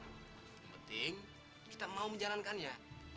yang penting kita mau menjalankannya